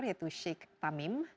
yaitu sheikh tamim